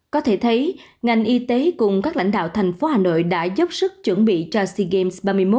có thể thấy ngành y tế cùng các lãnh đạo thành phố hà nội đã dốc sức chuẩn bị cho sea games ba mươi một